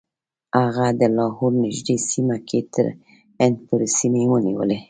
هغه د لاهور نږدې سیمه کې تر هند پورې سیمې ونیولې.